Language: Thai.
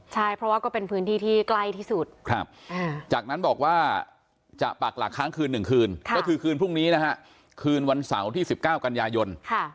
ใช่เพราะว่าก็เป็นพื้นที่ที่ใกล้ที่สุดจากนั้นบอกว่าจะปักหลักค้างคืน๑คืนก็คือคืนพรุ่งนี้นะฮะคืนวันเสาร์ที่๑๙กันยายน